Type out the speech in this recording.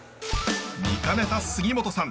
見かねた杉本さん